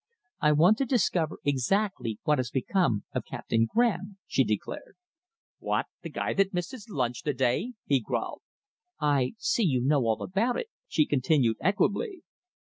"I want to discover exactly what has become of Captain Graham," she declared. "What, the guy that missed his lunch to day?" he growled. "I see you know all about it," she continued equably.